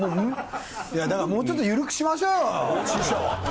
だからもうちょっと緩くしましょうよ師匠。